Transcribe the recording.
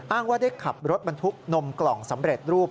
อ้างว่าได้ขับรถบรรทุกนมกล่องสำเร็จรูป